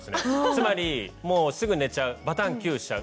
つまりもうすぐ寝ちゃうバタンキューしちゃう。